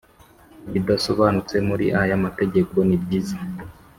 Ibidasobanutse muri aya mategeko nibyiza.